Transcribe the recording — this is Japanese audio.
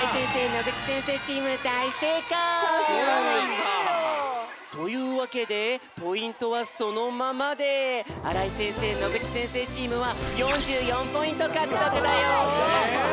野口先生チームだいせいかい！というわけでポイントはそのままで荒居先生野口先生チームは４４ポイントかくとくだよ！